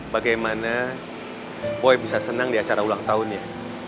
bagaimana boy bisa senang di acara ulang tahunnya